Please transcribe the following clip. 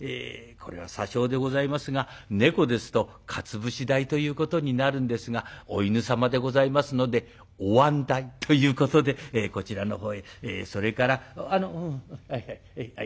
これは些少でございますが猫ですとかつ節代ということになるんですがお犬様でございますのでおわん代ということでこちらの方へそれからあのはいはい。